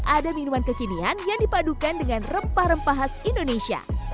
ada minuman kekinian yang dipadukan dengan rempah rempah khas indonesia